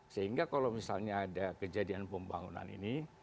sehingga kalau misalnya ada kejadian pembangunan ini